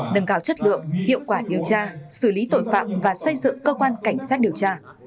nâng cao chất lượng hiệu quả điều tra xử lý tội phạm và xây dựng cơ quan cảnh sát điều tra